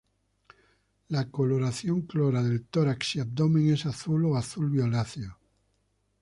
La coloración clara del tórax y abdomen es azul o azul violáceo.